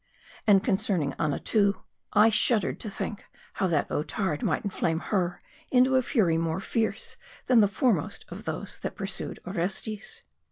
And concerning Annatoo, I shuddered to think, how that Otard might inflame her into a Fury more fierce than the foremost of those that pursued Orestes.